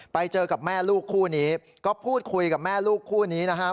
ไปเจอกับแม่ลูกคู่นี้ก็พูดคุยกับแม่ลูกคู่นี้นะครับ